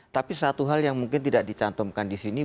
tapi satu hal yang mungkin tidak dicantumkan di sini